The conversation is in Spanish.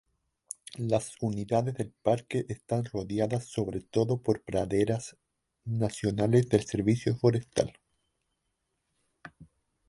Las unidades del parque están rodeadas sobre todo por praderas nacionales del Servicio Forestal.